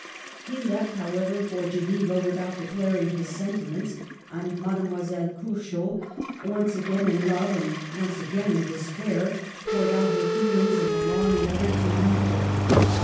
He left, however, for Geneva, without declaring his sen timents ; and Mademoiselle Curchod, once again in love, and once again in despair, poured out her feelings in a long letter to Moulton.